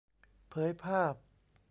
เผยภาพ